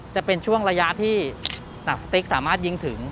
จะเป็นช่วงระยะที่หนังสติ๊กสามารถยิงถึง